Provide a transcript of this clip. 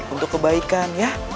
untuk kebaikan ya